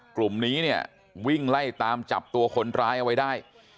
กลุ่มนี้เนี่ยวิ่งไล่ตามจับตัวคนร้ายเอาไว้ได้